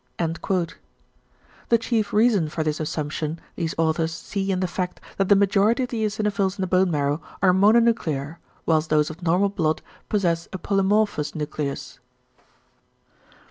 =" The chief reason for this assumption, these authors see in the fact, that the majority of the eosinophils in the bone marrow are mononuclear, whilst those of normal blood possess a polymorphous nucleus.